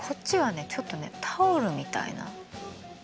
ちょっとねタオルみたいなの。